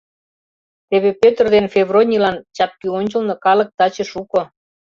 Теве Пётр ден Февронийлан чапкӱ ончылно калык таче шуко.